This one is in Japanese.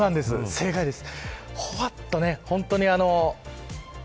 正解です。